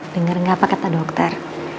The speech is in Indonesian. dengar nggak apa kata dokter